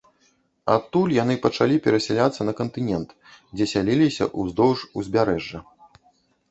Адтуль яны пачалі перасяляцца на кантынент, дзе сяліліся ўздоўж узбярэжжа.